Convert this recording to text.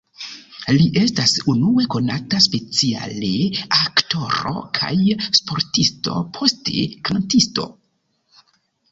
Li estas unue konata speciale aktoro kaj sportisto, poste kantisto.